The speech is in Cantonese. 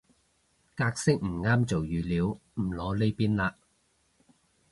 格式唔啱做語料唔擺呢邊嘞